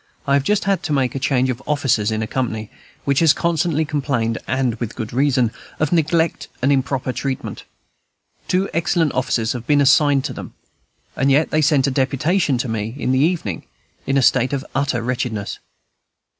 I have just had to make a change of officers in a company which has constantly complained, and with good reason, of neglect and improper treatment. Two excellent officers have been assigned to them; and yet they sent a deputation to me in the evening, in a state of utter wretchedness.